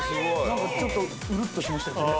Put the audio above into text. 何かちょっとうるっとしましたね。